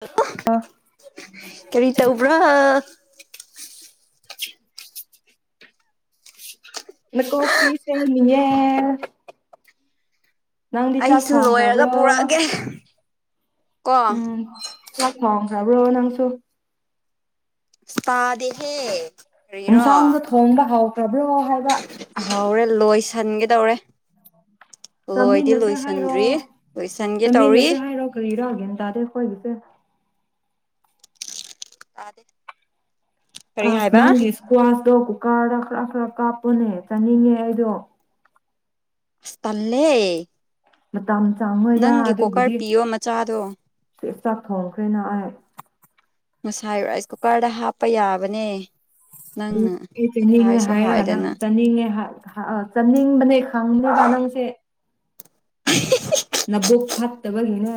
Hello ꯀꯔꯤ ꯇꯧꯕ꯭ꯔꯣ꯫ [inaudible] ꯅ ꯀꯣꯞ ꯄꯤ ꯁꯦꯝꯃꯤꯌꯦ꯫ ꯅꯪꯗꯤ ꯆꯥꯛ ꯑꯩꯁꯨ ꯂꯣꯏꯔꯒ ꯊꯣꯡꯈ꯭ꯔꯕ꯭ꯔꯣ ꯄꯨꯔꯛꯑꯒꯦ ꯀꯣ ꯎꯝ꯫ ꯆꯥꯛ ꯊꯣꯡꯈꯔꯕꯣ ꯅꯪꯕꯨ ꯏꯁ ꯇꯥꯗꯦꯍꯦ꯫ ꯀꯔꯤꯔꯣ ꯌꯦꯟꯁꯥꯡꯗꯣ ꯊꯣꯡꯕ ꯍꯧꯈ꯭ꯔꯕ꯭ꯔꯣ ꯍꯥꯏꯕ꯫ ꯍꯧꯔꯦ ꯂꯣꯏꯁꯟꯒꯦ ꯇꯧꯔꯦ꯫ ꯂꯣꯏꯗꯤ ꯆꯥꯃꯤꯟꯅꯁꯦ ꯍꯥꯏꯔꯣ ꯂꯣꯏꯁꯟꯗ꯭ꯔꯤ ꯂꯣꯏꯁꯟꯒꯦ ꯇꯧꯔꯤ꯫ ꯀꯔꯤꯔ ꯒ꯭ꯌꯥꯟ ꯇꯥꯗꯦ ꯑꯩꯈꯣꯏꯒꯤꯁꯦ꯫ ꯇꯥꯗꯦ꯫ ꯀꯔꯤ ꯑꯁ ꯍꯥꯏꯕ ꯅꯪꯒꯤ ꯏꯁꯀ꯭ꯋꯥꯁꯇꯣ ꯀꯨꯀꯔꯗ ꯈꯔ ꯈꯔ ꯀꯥꯞꯄꯣꯅꯦ ꯆꯥꯅꯤꯡꯉꯦ ꯑꯩꯗꯣ꯫ ꯑꯁ ꯇꯜꯂꯦ꯫ ꯃꯇꯝ ꯆꯥꯡꯉꯣꯏꯗ ꯅꯪꯒꯤ ꯀꯣꯀꯔ ꯑꯗꯨꯕꯨꯗꯤ ꯄꯤꯌꯣ ꯃꯆꯥꯗꯣ ꯆꯥꯛ ꯊꯣꯡꯈ꯭ꯔꯦꯅ ꯑꯩ꯫ ꯉꯁꯥꯏ ꯔꯥꯏꯁ ꯀꯨꯀꯔꯗ ꯍꯥꯞꯄ ꯌꯥꯕꯅꯦ꯫ ꯑꯗꯨ ꯅꯪꯅ ꯑꯩ ꯆꯥꯅꯤꯡꯉꯦ ꯍꯥꯏꯁꯨ ꯍꯥꯏꯔꯒ ꯅꯪ ꯍꯥꯏꯗꯅ ꯆꯥꯅꯤꯡꯉꯦ ꯍꯥꯏ꯫ ꯑꯍ ꯑꯍ ꯆꯠꯅꯤꯡꯕꯅꯦ ꯈꯪꯕ ꯅꯪꯁꯦ꯫ ꯑꯍꯤ ꯍꯤ꯫ [unintelligible] [unintelligible] ꯅꯕꯨꯛ ꯐꯠꯇꯕꯒꯤꯅꯦ꯫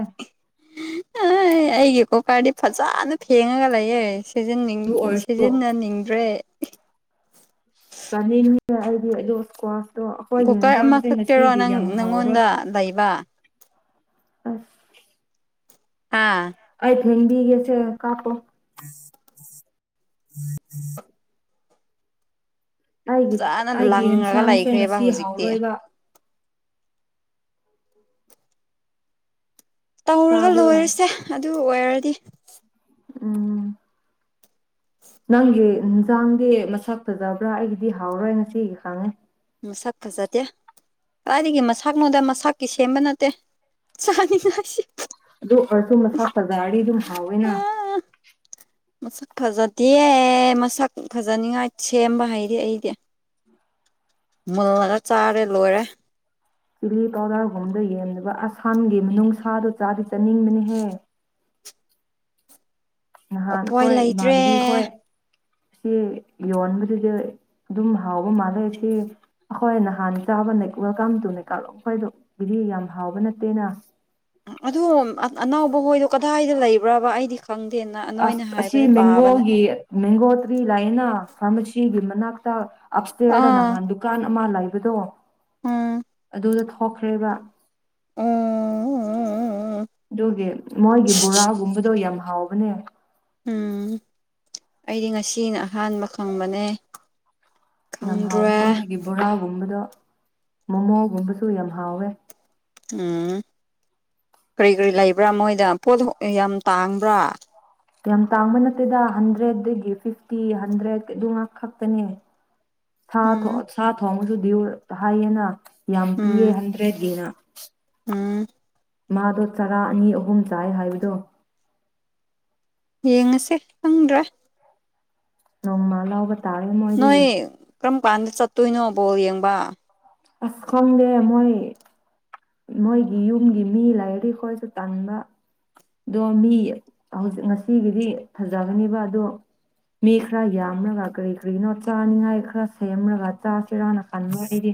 ꯑꯥꯏ ꯑꯩꯒꯤ ꯀꯣꯀꯥꯔꯗꯤ ꯐꯖꯅ ꯐꯦꯡꯉꯒ ꯂꯩꯌꯦ꯫ ꯁꯤꯖꯅꯤꯡ ꯑꯗꯨ ꯑꯣꯏꯔꯁꯨ ꯁꯤꯖꯤꯟꯅꯅꯤꯡꯗ꯭ꯔꯦ꯫ ꯆꯅꯤꯡꯅꯤꯅꯦ ꯑꯩꯗꯤ ꯑꯗꯨ ꯏꯁꯀ꯭ꯋꯥꯁꯇꯣ ꯑꯩꯈꯣꯏꯒꯤ ꯌꯦꯟꯖꯥꯡꯁꯦ ꯉꯁꯤꯒꯤ ꯌꯥꯝ ꯍꯥꯎꯔꯣꯏ ꯑꯥ ꯂꯩꯕ ꯑꯁ ꯑꯥ ꯑꯩ ꯐꯦꯡꯕꯤꯒꯦꯁꯦ ꯀꯥꯞꯄꯣ ꯑꯩꯒꯤ ꯐꯖꯅ ꯑꯩꯒꯤ ꯂꯪꯉꯒ ꯏꯟꯁꯥꯡꯁꯦ ꯂꯩꯈ꯭ꯔꯦꯕ ꯉꯁꯤ ꯍꯧꯖꯤꯛꯇꯤ ꯍꯥꯎꯔꯣꯏꯕ [unintelligible] ꯇꯧꯔꯒ ꯇꯥꯕ꯭ꯔꯣ ꯂꯣꯏꯔꯁꯦ ꯑꯗꯨ ꯑꯣꯏꯔꯗꯤ ꯎꯝ ꯅꯪꯒꯤ ꯏꯟꯖꯥꯡꯗꯤ ꯃꯁꯛ ꯐꯖꯕ꯭ꯔꯥ ꯑꯩꯒꯤꯗꯤ ꯍꯥꯎꯔꯣꯏ ꯉꯁꯤꯒꯤ ꯈꯪꯉꯦ ꯃꯁꯛ ꯐꯖꯗꯦ ꯀꯗꯥꯏꯗꯒꯤ ꯃꯁꯥꯛꯅꯣꯗ ꯃꯁꯥꯀꯤ ꯁꯦꯝꯕ ꯅꯠꯇꯦ ꯆꯥꯅꯤꯡꯉꯥꯏ ꯁꯦꯝ ꯑꯗꯨ [unintelligible] ꯃꯁꯛ ꯐꯖꯗꯤ ꯑꯗꯨꯝ ꯍꯥꯎꯋꯦꯅ ꯃꯁꯛ ꯐꯖꯇꯤꯌꯦ ꯃꯁꯛ ꯐꯖꯅꯤꯡꯉꯥꯏ ꯁꯦꯝꯕ ꯍꯩꯗꯤ ꯑꯩꯗꯤ ꯃꯨꯜꯂꯒ ꯆꯥꯔꯦ ꯂꯣꯏꯔꯦ ꯆꯤꯂꯤ [unintelligible] ꯒꯨꯝꯕꯗ ꯌꯦꯡꯂꯒ ꯑꯁꯥꯝꯒꯤ ꯃꯅꯨꯡꯁꯥꯗꯣ ꯆꯥꯗꯤ ꯆꯥꯅꯤꯡꯕꯅꯦꯍꯦ ꯅꯍꯥꯟ ꯎꯄꯥꯏ ꯑꯈꯣꯏ ꯂꯩꯇ꯭ꯔꯦ ꯏꯃꯥꯟꯕꯤ ꯈꯣꯏ ꯁꯤ ꯌꯣꯟꯕꯗꯨꯗ ꯑꯗꯨꯝ ꯍꯥꯎꯕ ꯃꯥꯜꯂꯦ ꯁꯦ ꯑꯍꯣꯏ ꯅꯍꯥꯟ ꯆꯥꯕꯅꯦ ꯋꯦꯜꯀꯥꯝ ꯇꯨ ꯅꯤꯀꯥꯂꯣꯛ ꯑꯈꯣꯏꯗꯣ ꯕꯤꯗꯤ ꯌꯥꯝ ꯍꯥꯎꯕ ꯅꯠꯇꯦꯅ ꯑꯗꯣ ꯑꯅꯥꯎꯕꯍꯣꯏꯗꯣ ꯀꯗꯥꯏꯗ ꯂꯩꯕ꯭ꯔꯕ ꯑꯩꯗꯤ ꯈꯪ ꯈꯪꯗꯦꯅ ꯅꯣꯏꯅ ꯍꯥꯏꯕꯗ ꯇꯥꯕꯅꯦ ꯃꯦꯡꯒꯣꯇ꯭ꯔꯤ ꯂꯥꯏꯅꯥ ꯐꯥꯔꯃꯁꯤꯒꯤ ꯃꯅꯥꯛꯇ ꯑꯞꯁꯇꯦꯔꯗ ꯑꯥ ꯅꯍ ꯗꯨꯀꯥꯟ ꯑꯃ ꯂꯩꯕꯗꯣ ꯎꯝ ꯑꯗꯨꯗ ꯊꯣꯛꯈ꯭ꯔꯦꯕ ꯑꯣ ꯗꯨꯒꯤ ꯃꯣꯏꯒꯤ ꯕꯣꯔꯥꯒꯨꯝꯕꯗꯣ ꯌꯥꯝ ꯍꯥꯎꯕꯅꯦ ꯎꯝ ꯑꯩꯗꯤ ꯉꯁꯤꯅ ꯑꯍꯥꯟꯕ ꯈꯪꯕꯅꯦ ꯌꯥꯝ ꯈꯪꯗ꯭ꯔꯦ ꯍꯥꯎꯕꯅꯦ ꯃꯣꯏꯒꯤ ꯕꯣꯔꯥꯒꯨꯝꯕꯗꯣ ꯃꯣꯃꯣꯒꯨꯝꯕꯁꯨ ꯌꯥꯝ ꯍꯥꯎꯋꯦ ꯎꯝ ꯀ꯭ꯔꯤ ꯀ꯭ꯔꯤ ꯂꯩꯕ꯭ꯔꯥ ꯃꯣꯏꯗ ꯄꯣꯠꯗꯨ ꯌꯥꯝ ꯇꯥꯡꯕ꯭ꯔꯥ ꯌꯥꯝ ꯇꯥꯡꯕ ꯅꯠꯇꯦꯗ ꯍꯟꯗ꯭ꯔꯦꯗꯗꯒꯤ ꯐꯤꯐꯇꯤ ꯍꯟꯗ꯭ꯔꯦꯠ ꯑꯗꯨ ꯉꯥꯛ ꯈꯛꯇꯅꯦ ꯊꯥ ꯎꯝ ꯊꯣꯛꯑ ꯁꯥ ꯊꯣꯡꯕꯗꯨ ꯗꯤꯌꯨꯔ ꯍꯥꯏꯌꯦꯅ ꯌꯥꯝ ꯄꯤꯌꯦ ꯎꯝ ꯍꯟꯗ꯭ꯔꯦꯠꯒꯤꯅ ꯎꯝ ꯃꯥꯗꯣ ꯆꯔꯥ ꯑꯅꯤ ꯑꯍꯨꯝ ꯆꯥꯏ ꯍꯥꯏꯕꯗꯣ ꯌꯦꯡꯉꯁꯦ ꯈꯪꯗ꯭ꯔꯦ [unintelligible] ꯅꯣꯏ ꯃꯣꯏꯗꯒꯤ ꯀꯔꯝꯀꯥꯟꯗ ꯆꯠꯇꯣꯏꯅꯣ ꯕꯣ ꯌꯦꯡꯕ ꯑꯁ ꯈꯪꯗꯦ ꯃꯣꯏ ꯃꯣꯏꯒꯤ ꯌꯨꯝꯒꯤ ꯃꯤ ꯂꯩꯔꯗꯤ ꯈꯣꯏꯁꯨ ꯇꯟꯕ ꯑꯗꯣ ꯃꯤ ꯍꯧꯖꯤꯛ ꯉꯁꯤꯒꯤꯗꯤ ꯐꯖꯕꯅꯤꯕ ꯑꯗꯣ ꯃꯤ ꯈꯔ ꯌꯥꯝꯔꯒ ꯀꯔꯤ ꯀꯔꯤꯅꯣ ꯆꯥꯅꯤꯉꯥꯏ ꯈꯔ ꯁꯦꯝꯔꯒ ꯆꯥꯁꯦꯔꯥꯅ ꯈꯟꯕ ꯑꯩꯗꯤ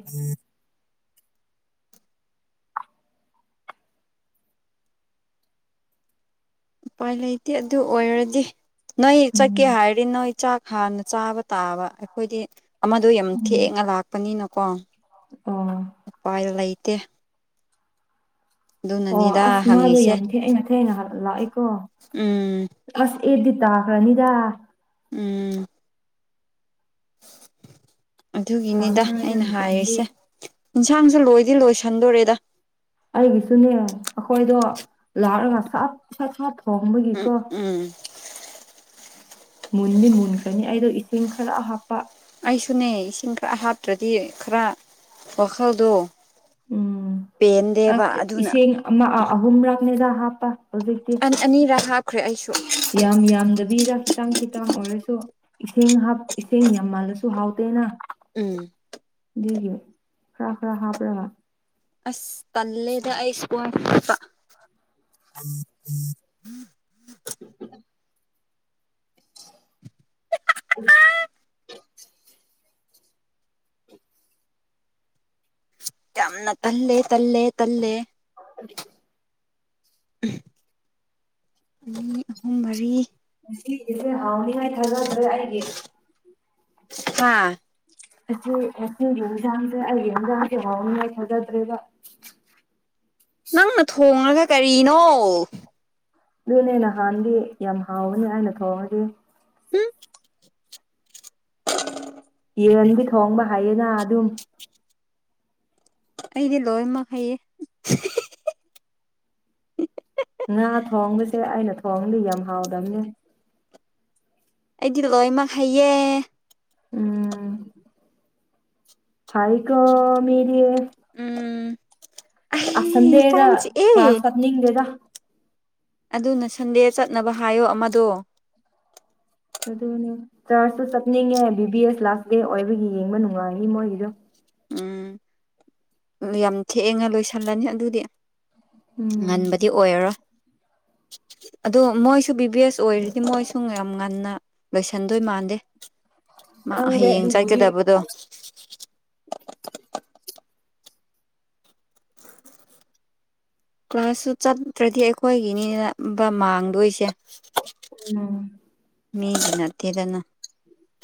ꯎꯄꯥꯏ ꯂꯩꯇꯦ ꯑꯗꯨ ꯑꯣꯏꯔꯗꯤ ꯅꯣꯏ ꯆꯠꯀꯦ ꯎꯝ ꯍꯥꯏꯔꯗꯤ ꯅꯣꯏ ꯆꯥꯛ ꯍꯥꯟꯅ ꯆꯥꯕ ꯇꯥꯕ ꯑꯩꯈꯣꯏꯗꯤ ꯑꯃꯗꯣ ꯌꯥꯝ ꯊꯦꯡꯅ ꯂꯥꯛꯄꯅꯤꯅꯀꯣ ꯑꯥ ꯎꯄꯥꯏ ꯂꯩꯇꯦ ꯑꯣ ꯑꯗꯨꯅꯅꯤꯗ ꯑꯁ ꯃꯥꯗꯣ ꯍꯪꯉꯤꯁꯦ ꯌꯥꯝ ꯊꯦꯡꯅ ꯊꯦꯡꯅ ꯍꯜ ꯂꯥꯛꯏꯀꯣ ꯎꯝ ꯑꯁ ꯑꯦꯗꯤꯠꯇ ꯇꯥꯈꯔꯅꯤꯗ ꯎꯝ ꯑꯗꯨꯒꯤꯅꯤꯗ ꯈꯥꯡꯉꯔꯣꯏꯗ ꯑꯩꯅ ꯃꯇꯝꯗꯤ ꯍꯥꯏꯔꯤꯁꯦ ꯏꯟꯁꯥꯡꯁꯨ ꯂꯣꯏꯗꯤ ꯂꯣꯏꯁꯟꯗꯣꯔꯦꯗ ꯑꯩꯒꯤꯁꯨꯅꯦ ꯑꯈꯣꯏꯗꯣ ꯂꯥꯛꯔꯒ ꯁꯠ ꯁꯠ ꯁꯠ ꯎꯝ ꯊꯣꯡꯕꯒꯤꯀꯣ ꯎꯝ ꯃꯨꯟꯗꯤ ꯃꯨꯟꯈ꯭ꯔꯅꯤ ꯑꯩꯗꯣ ꯏꯁꯤꯡ ꯈꯔ ꯍꯥꯞꯄ ꯑꯩꯁꯨꯅꯦ ꯏꯁꯤꯡ ꯈꯔ ꯍꯥꯞꯇ꯭ꯔꯗꯤ ꯈꯔ ꯋꯥꯈꯜꯗꯣ ꯎꯝ ꯑꯁ ꯄꯦꯟꯗꯦꯕ ꯑꯗꯨꯅ ꯏꯁꯤꯡ ꯑꯃ ꯑꯥ ꯑꯍꯨꯝꯔꯛꯅꯦꯗ ꯍꯥꯞꯄ ꯍꯧꯖꯤꯛꯇꯤ ꯑꯅꯤꯔꯛ ꯍꯥꯞꯈ꯭ꯔꯦ ꯑꯩꯁꯨ ꯌꯥꯝ ꯌꯥꯝꯗꯕꯤꯗ ꯈꯤꯇꯪ ꯈꯤꯇꯪ ꯑꯣꯏꯔꯁꯨ ꯏꯁꯤꯡ ꯍꯥꯞ ꯏꯁꯤꯡ ꯌꯥꯝꯃꯜꯂꯁꯨ ꯍꯥꯎꯇꯦꯅ ꯎꯝ ꯑꯗꯨꯒꯤ ꯈꯔ ꯈꯔ ꯍꯥꯞꯔꯒ ꯑꯁ ꯇꯜꯂꯦꯗ ꯑꯩ ꯁ꯭ꯀꯨꯜ [unintelligible] [unintelligible] [unintelligible] ꯌꯥꯝꯅ ꯇꯜꯂꯦ ꯇꯜꯂꯦ ꯇꯜꯂꯦ [unintelligible] ꯑꯅꯤ ꯑꯍꯨꯝ ꯃꯔꯤ ꯉꯁꯤꯒꯤꯖꯦ ꯍꯥꯎꯅꯤ ꯍꯥꯏ ꯊꯥꯖꯗ꯭ꯔꯦ ꯑꯩꯒꯤ ꯍꯥ ꯉꯁꯤ ꯉꯁꯤꯒꯤ ꯏꯟꯖꯥꯡꯖꯦ ꯑꯩꯒꯤ ꯏꯟꯖꯥꯡꯁꯦ ꯍꯥꯎꯅꯤ ꯍꯥꯏ ꯊꯖꯗ꯭ꯔꯦꯕ ꯅꯪꯅ ꯊꯣꯉꯒ ꯀꯔꯤꯅꯣ ꯑꯗꯨꯅꯦ ꯅꯍꯥꯟꯗꯤ ꯌꯥꯝ ꯍꯥꯎꯕꯅꯦ ꯑꯩꯅ ꯊꯣꯡꯉꯗꯤ ꯍꯨꯝ ꯌꯦꯟꯗꯤ ꯊꯣꯡꯕ ꯍꯥꯏꯌꯦꯅ ꯑꯗꯨꯝ ꯑꯩꯗꯤ ꯂꯣꯏꯃꯛ ꯍꯩꯌꯦ ꯉꯥ ꯊꯣꯡꯕꯁꯦ ꯑꯩꯅ ꯊꯣꯡꯉꯗꯤ ꯌꯥꯝ ꯍꯥꯎꯗꯝꯅꯦ ꯑꯩꯗꯤ ꯂꯣꯏꯃꯛ ꯍꯩꯌꯦ ꯎꯝ ꯐꯥꯏ ꯀꯣ ꯃꯤꯗꯤ ꯎꯝ ꯑꯁ ꯑꯩ ꯁꯟꯗꯦꯗ ꯀꯥꯡ ꯀ꯭ꯂꯥꯁ ꯆꯤꯛꯑꯦ ꯆꯠꯅꯤꯡꯗꯦꯗ ꯑꯗꯨꯅ ꯁꯟꯗꯦ ꯆꯠꯅꯕ ꯍꯥꯏꯌꯣ ꯑꯃꯗꯣ ꯑꯗꯨꯅꯦ ꯆꯔꯁꯁꯨ ꯆꯠꯅꯤꯡꯉꯦ B B S last day ꯑꯣꯏꯕꯒꯤ ꯌꯦꯡꯕ ꯅꯨꯡꯉꯥꯏꯅꯤ ꯃꯣꯏꯒꯤꯗꯣ ꯎꯝ ꯌꯥꯝ ꯊꯦꯡꯉ ꯂꯣꯏꯁꯤꯜꯂꯅꯤ ꯑꯗꯨꯗꯤ ꯎꯝ ꯉꯟꯕꯗꯤ ꯑꯣꯏꯔꯔꯣꯏ ꯑꯗꯣ ꯃꯣꯏꯁꯨ ꯕꯤ ꯕꯤ ꯌꯦꯁ ꯑꯣꯏꯔꯗꯤ ꯃꯣꯏꯁꯨ ꯌꯥꯝ ꯉꯟꯅ ꯂꯣꯏꯁꯟꯗꯣꯏ ꯃꯥꯟꯗꯦ ꯃꯥ ꯈꯪꯗꯦ ꯍꯌꯦꯡ ꯑꯗꯨꯕꯨꯗꯤ ꯆꯠꯀꯗꯕꯗꯣ [inaudible] ꯀ꯭ꯂꯥꯁꯁꯨ ꯆꯠꯇ꯭ꯔꯗꯤ ꯑꯩꯈꯣꯏꯒꯤꯅꯤꯅꯕ ꯃꯥꯡꯗꯣꯏꯁꯦ ꯎꯝ ꯃꯤꯒꯤ ꯅꯠꯇꯦꯗꯅ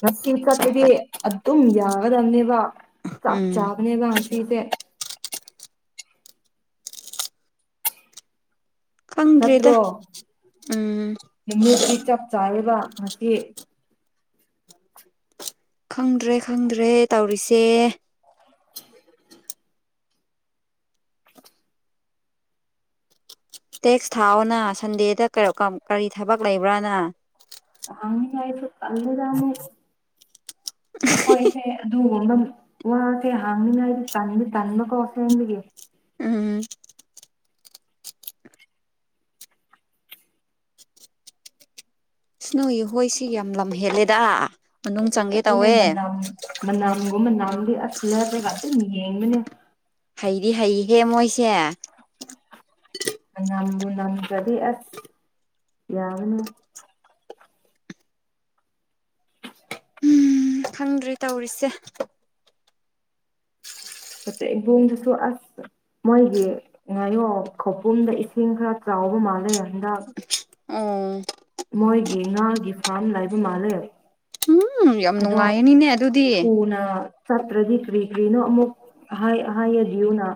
ꯉꯁꯤ ꯆꯠꯄꯗꯤ ꯆꯠꯄ ꯑꯗꯨꯝ ꯌꯥꯒꯗꯝꯅꯦꯕ ꯆꯞ ꯎꯝ ꯆꯥꯕꯅꯦꯕ ꯉꯁꯤꯁꯦ ꯈꯪꯗꯔꯦꯗ ꯅꯠꯇ꯭ꯔꯣ ꯎꯝ ꯅꯨꯃꯤꯠꯇꯤ ꯆꯞ ꯆꯥꯔꯦꯕ ꯉꯁꯤ ꯈꯪꯗ꯭ꯔꯦ ꯈꯪꯗ꯭ꯔꯦ ꯇꯧꯔꯤꯁꯦ ꯇꯦꯛꯁ ꯊꯥꯎꯑꯣꯅ ꯁꯟꯗꯦꯗ [unintelligible] ꯀꯔꯤ ꯊꯕꯛ ꯂꯩꯕ꯭ꯔꯥꯅ ꯍꯪꯅꯤꯉꯥꯏꯕꯝꯁꯨ ꯇꯜꯂꯦꯗ ꯅꯣꯢ ꯑꯈꯣꯏꯁꯦ ꯑꯗꯨ [unintelligible] ꯋꯥꯁꯦ ꯍꯥꯡꯅꯤꯡꯉꯥꯏꯗꯤ ꯇꯟꯗꯤ ꯇꯟꯕꯀꯣ ꯁꯦꯝꯕꯒꯤ ꯎꯝ ꯅꯣꯏꯒꯤ ꯍꯣꯏ ꯁꯤ ꯌꯥꯝ ꯂꯝ ꯍꯦꯜꯂꯦꯗꯥ--ꯃꯅꯨꯡ ꯆꯪꯒꯦ ꯇꯧꯋꯦ ꯃꯅꯥꯝꯒꯨꯝꯕ ꯅꯝꯂꯗꯤ ꯑꯁ ꯂꯦꯞꯄꯒ ꯑꯗꯨꯝ ꯌꯦꯡꯕꯅꯦ ꯍꯩꯗꯤ ꯍꯩꯍꯦ ꯃꯣꯏꯁꯦ- ꯃꯅꯥꯝꯕꯨ ꯅꯝꯈ꯭ꯔꯗꯤ ꯑꯁ ꯌꯥꯕꯅꯦ ꯎꯝ ꯈꯪꯗ꯭ꯔꯦ ꯇꯧꯔꯤꯁꯦ- ꯍꯧꯖꯤꯛ ꯢꯄꯨꯡꯗꯨꯁꯨ ꯑꯥꯁ ꯃꯣꯏꯒꯤ ꯉꯥꯌꯣꯛ ꯈꯧꯄꯨꯝꯗ ꯏꯁꯤꯡ ꯈꯔ ꯆꯥꯎꯕ ꯃꯥꯜꯂꯦ ꯍꯟꯗꯛ ꯎꯝ ꯃꯣꯏꯒꯤ ꯉꯥꯒꯤ ꯐꯥꯔꯝ ꯂꯩꯕ ꯃꯥꯜꯂꯦ꯫ ꯎꯝ ꯌꯥꯝ ꯑꯗꯣ ꯅꯨꯡꯉꯥꯏꯔꯅꯤꯅꯦ ꯑꯗꯨꯗꯤ ꯊꯨꯅ ꯆꯠꯇ꯭ꯔꯗꯤ ꯀ꯭ꯔꯤ-ꯀ꯭ꯔꯤꯅꯣ ꯑꯃꯨꯛ ꯍꯥꯏ ꯍꯥꯏꯌꯨꯗꯤꯌꯨꯅ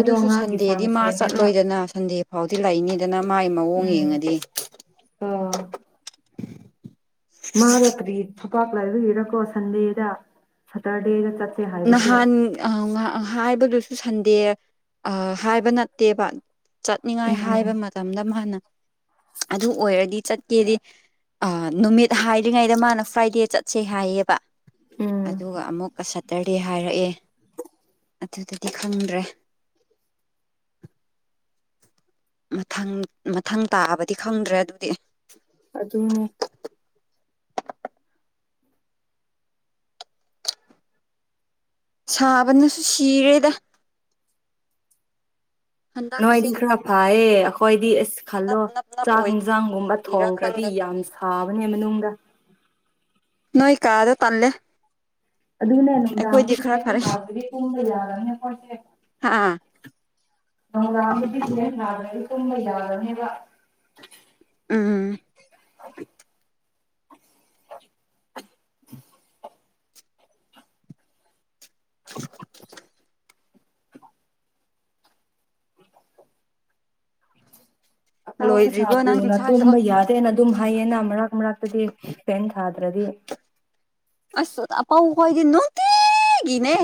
ꯑꯗꯨꯁꯨ ꯁꯟꯗꯦꯗꯤ ꯃꯥ ꯁꯦꯝꯃꯦꯕ ꯆꯠꯂꯣꯏꯗꯅ ꯁꯟꯗꯦ ꯐꯥꯎꯗꯤ ꯂꯩꯅꯤꯗꯅ ꯃꯥꯏ ꯃꯑꯣꯡ ꯌꯦꯡꯉꯗꯤ ꯑꯝ ꯃꯥꯗ ꯀ꯭ꯔꯤ ꯊꯄꯥꯛ ꯂꯩꯕꯒꯤꯔꯀꯣ ꯁꯟꯗꯦꯗ ꯁ꯭ꯇꯔꯗꯦꯗ ꯆꯠ ꯅꯍꯥꯟ ꯍꯥꯏꯕꯗꯨꯁꯨ ꯁꯟꯗꯦ ꯑ- ꯍꯥꯏꯕ ꯅꯠꯇꯦꯕ ꯆꯠꯅꯤꯡꯉꯥꯏ ꯍꯥꯏꯕ ꯎꯝ ꯃꯇꯝꯗ ꯃꯥꯅ ꯑꯗꯨ ꯑꯣꯏꯔꯗꯤ ꯆꯠ ꯀꯦꯗꯤ ꯑ ꯅꯨꯃꯤꯠ ꯍꯥꯏꯗꯔꯤꯉꯩꯗ ꯃꯥꯅ ꯐ꯭ꯔꯥꯏꯗꯦ ꯆꯠꯁꯦ ꯍꯥꯏꯌꯦꯕ ꯎꯝ ꯑꯗꯨꯒ ꯑꯃꯨꯛꯀ ꯁꯠ ꯁꯠꯇꯥꯔꯗꯦ ꯍꯥꯏꯔꯛꯑꯦ ꯑꯗꯨꯗꯗꯤ ꯈꯪꯗ꯭ꯔꯦ ꯃꯊꯪ- ꯃꯊꯪ ꯇꯥꯕꯗꯤ ꯈꯪꯗ꯭ꯔꯦ ꯑꯗꯨꯗꯤ ꯑꯗꯨꯅꯦ ꯁꯥꯕꯅꯁꯨ ꯁꯤꯔꯦꯗ꯫ ꯅꯣꯏꯗꯤ ꯍꯟꯗꯛꯁꯦ ꯈꯔ ꯐꯥꯌꯦ ꯑꯈꯣꯏꯗꯤ ꯑꯁ ꯅꯞ ꯈꯜꯂꯣ ꯅꯞ ꯅꯞ ꯆꯥꯛ ꯑꯣꯏ ꯍꯤꯟꯖꯥꯡꯒꯨꯝꯕ ꯔꯥ ꯊꯣꯡꯈ꯭ꯔꯗꯤ ꯈꯪꯗꯦ ꯌꯥꯝ ꯁꯥꯕꯅꯦ ꯃꯅꯨꯡꯗ ꯅꯣꯏ ꯀꯥꯗꯣ ꯇꯜꯂꯦ ꯑꯗꯨꯅꯦ ꯑꯩꯈꯣꯏꯗꯤ ꯅꯨꯡꯗꯥꯡꯒꯤ ꯈꯔ ꯐꯦꯟ ꯐꯔꯦ ꯊꯥꯗ꯭ꯔꯗꯤ ꯇꯨꯝꯕ ꯌꯥꯗꯝꯅꯦ ꯑꯈꯣꯏꯗꯤ ꯍꯥꯥ [unintelligible] ꯇꯨꯝꯕ ꯌꯥꯗꯝꯅꯦꯕ ꯎꯝ ꯑ [inaudible] ꯎ [inaudible] ꯊ [inaudible] [inaudible] [unintelligible] ꯂꯣꯏꯗ꯭ꯔꯤꯕꯣ ꯅꯪ ꯍꯥꯄꯨꯅ ꯏꯟꯁꯥꯡꯗꯣ ꯇꯨꯝꯝꯕ ꯌꯥꯗꯦꯅ ꯑꯗꯨꯝ ꯍꯩꯌꯦꯅ ꯃꯔꯛ ꯃꯔꯥꯛꯇꯗꯤ ꯐꯦꯟ ꯊꯥꯗ꯭ꯔꯗꯤ ꯑꯁ [unintelligible] ꯈꯣꯢꯗꯤ ꯅꯨꯡꯇꯤꯒꯤꯅꯦ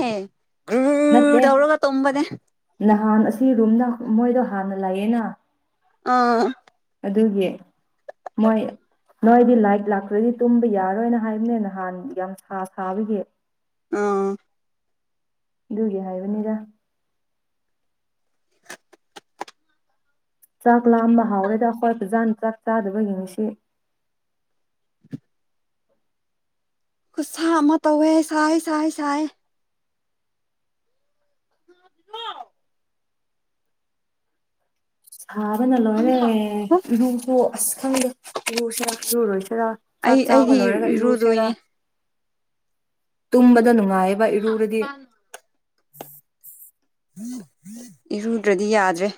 ꯒ꯭ꯔꯨ ꯅꯠꯇꯦ ꯇꯧꯔꯒ ꯇꯨꯝꯕꯅꯦ ꯅꯍꯥꯟ ꯑꯁꯤ ꯔꯨꯝꯅ ꯃꯣꯏꯗꯣ ꯍꯥꯟꯅ ꯂꯥꯛꯌꯦꯅ ꯑꯥ ꯑꯗꯨꯒꯤ ꯃꯣꯏ ꯅꯣꯏꯗꯤ ꯂꯩꯠ ꯂꯥꯛꯇ꯭ꯔꯗꯤ ꯇꯨꯝꯕ ꯌꯥꯔꯣꯏꯅ ꯍꯥꯏꯕꯅꯦ ꯅꯍꯥꯟ ꯌꯥꯝ ꯁꯥ ꯁꯥꯕꯒꯤ ꯑꯥ ꯑꯗꯨꯒꯤ ꯍꯥꯏꯕꯅꯤꯗ ꯆꯥꯛ ꯂꯥꯝꯕ ꯍꯥꯎꯔꯦꯗ ꯑꯩꯈꯣꯏ ꯐꯖꯥꯅ ꯆꯥꯛ ꯆꯥꯗꯕꯒꯤ ꯉꯁꯤ ꯈꯨꯠꯁꯥ ꯑꯃ ꯇꯧꯋꯦ ꯁꯥꯏ ꯁꯥꯏ ꯁꯥꯏ ꯂꯣꯏꯗ꯭ꯔꯤꯕꯣ ꯁꯥꯕꯅ ꯂꯣꯏꯔꯦ ꯏꯔꯨꯁꯨ ꯑꯁ ꯈꯪꯗꯦ ꯂꯨꯁꯤꯔ ꯂꯨꯔꯣꯏꯁꯤꯔꯥ ꯆꯥꯛ ꯑꯩ ꯆꯥꯕ ꯑꯩꯗꯤ ꯂꯣꯏꯔꯒ ꯏꯔꯨꯁꯦꯔ ꯏꯔꯨꯗꯣꯏꯅꯦ ꯇꯨꯝꯕꯗ ꯅꯨꯡꯉꯥꯏꯌꯦꯕ ꯏꯔꯨꯔꯗꯤ ꯏꯔꯨꯗ꯭ꯔꯗꯤ ꯌꯥꯗ꯭ꯔꯦ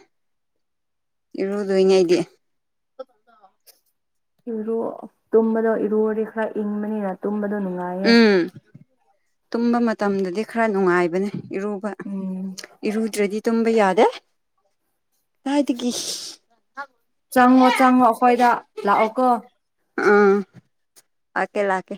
ꯏꯔꯨꯗꯣꯏꯅꯦ ꯑꯩꯗꯤ ꯏꯔꯨ ꯇꯨꯝꯕꯗꯣ ꯏꯔꯨꯔꯗꯤ ꯈꯔ ꯏꯪꯕꯅꯤꯅ ꯇꯨꯝꯕꯗꯣ ꯅꯨꯡ ꯎꯝ ꯇꯨꯝꯕ ꯃꯇꯝꯗꯗꯤ ꯈꯔ ꯅꯨꯡꯉꯥꯏꯕꯅꯦ ꯏꯔꯨꯕ ꯎꯝ ꯏꯔꯨꯗ꯭ꯔꯗꯤ ꯇꯨꯝꯕ ꯌꯥꯗꯦ ꯀꯥꯏꯗꯒꯤ ꯆꯪꯉꯣ ꯆꯪꯉꯣ ꯑꯩꯈꯣꯏꯗ ꯂꯥꯛꯑꯣ ꯀꯣ ꯎꯝ ꯑꯀꯦ ꯂꯥꯛꯀꯦ